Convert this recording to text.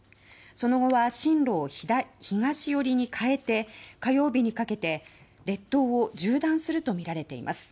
その後は進路を東寄りに変えて火曜日にかけて列島を縦断するとみられています。